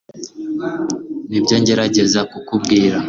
nibyo ngerageza kukubwira